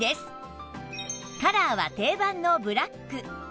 カラーは定番のブラック